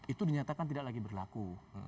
itu dinyatakan tidak lagi berlaku